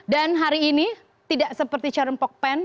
dan hari ini tidak seperti carun pokpen